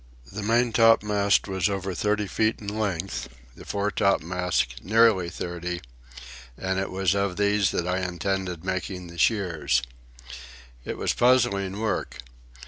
The maintopmast was over thirty feet in length, the foretopmast nearly thirty, and it was of these that I intended making the shears. It was puzzling work.